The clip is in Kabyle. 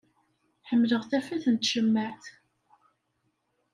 Ḥemmleɣ tafat n tcemmaɛt.